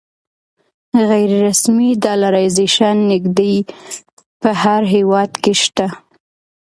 غیر رسمي ډالرایزیشن نږدې په هر هېواد کې شته.